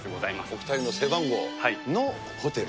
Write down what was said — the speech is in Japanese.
お２人の背番号のホテル。